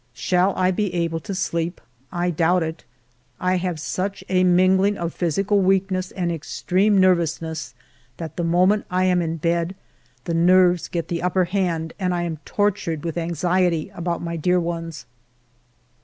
Shall I be able to sleep ? I doubt it. I have such a mingling of physical weakness and extreme nervousness that, the moment I am in bed, the nerves get the upper hand, and I am tortured with anxiety about my dear ones.